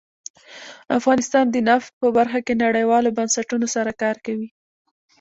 افغانستان د نفت په برخه کې نړیوالو بنسټونو سره کار کوي.